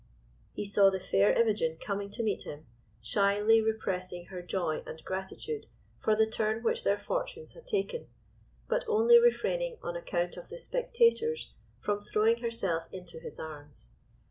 He saw the fair Imogen coming to meet him, shyly repressing her joy and gratitude for the turn which their fortunes had taken, but only refraining on account of the spectators from throwing herself into his arms.